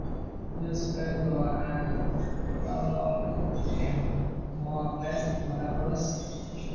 The sepals are about long and more or less glabrous.